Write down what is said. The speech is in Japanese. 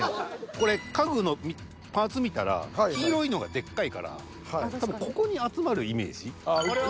これ家具のパーツ見たら黄色いのがでっかいから多分ここに集まるイメージ。